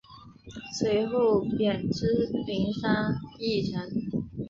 随后贬为麟山驿丞。